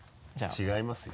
違いますよ。